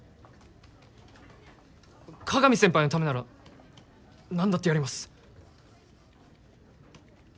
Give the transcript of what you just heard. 鏡先輩のためならなんだってやります！